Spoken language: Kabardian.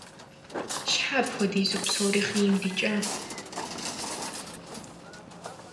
Щхьэ апхуэдизу псори хъийм дикӀа?